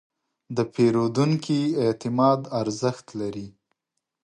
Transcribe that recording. د پیرودونکي اعتماد ارزښت لري.